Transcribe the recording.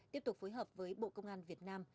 tiếp tục phối hợp với bộ công an việt nam